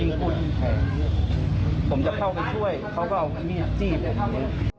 ยิ่งกุ้นแพงผมจะเข้าไปช่วยเขาก็เอามีดจีบผมเลย